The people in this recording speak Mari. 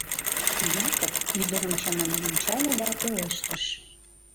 Якып ӱдырым чаманен ончале да пелештыш: